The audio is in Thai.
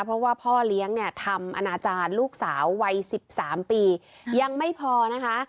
เพราะว่าพ่อเลี้ยงเนี่ยทำอนาจารย์ลูกสาววัย๑๓ปียังไม่พอนะคะ